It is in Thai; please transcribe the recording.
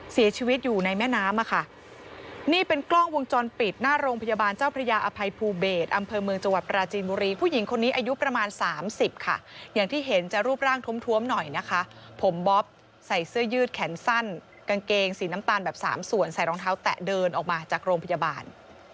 เสียชีวิตอยู่ในแม่น้ำอะค่ะนี่เป็นกล้องวงจรปิดหน้าโรงพยาบาลเจ้าพระยาอภัยภูเบศอำเภอเมืองจังหวัดปราจีนบุรีผู้หญิงคนนี้อายุประมาณสามสิบค่ะอย่างที่เห็นจะรูปร่างท้มท้วมหน่อยนะคะผมบ๊อบใส่เสื้อยืดแขนสั้นกางเกงสีน้ำตาลแบบสามส่วนใส่รองเท้าแตะเดินออกมาจากโรงพยาบาล